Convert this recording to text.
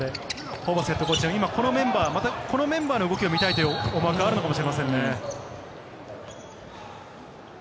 ホーバスＨＣはこのメンバーで動きを見たいという思惑があるのかもしれませんね。